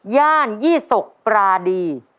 ย่านยี่ศกปราดี